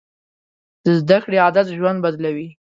د زده کړې عادت ژوند بدلوي.